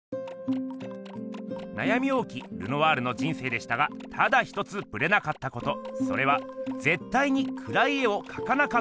なやみ多きルノワールの人生でしたがただ一つぶれなかったことそれはぜったいにくらい絵をかかなかったことです。